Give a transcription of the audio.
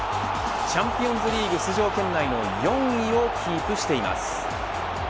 チャンピオンズリーグ出場圏内の４位をキープしています。